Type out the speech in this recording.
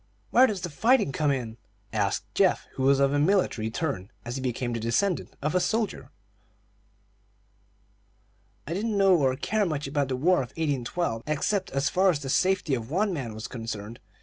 "Where does the fighting come in?" asked Geoff, who was of a military turn, as became the descendant of a soldier. "I didn't know or care much about the War of 1812, except as far as the safety of one man was concerned.